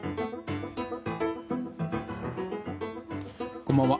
こんばんは。